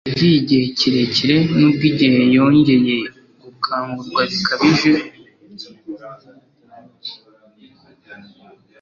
yagiye igihe kirekire, nubwo, igihe yongeye gukangurwa bikabije